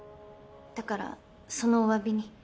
だからそのおわびに。